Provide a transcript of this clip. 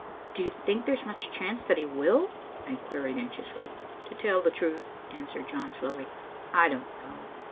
"Do you think there's much chance that he will?" I queried anxiously. "To tell the truth," answered John slowly, "I don't know."